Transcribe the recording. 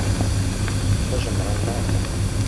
قژم ڕەنگ ناکەم.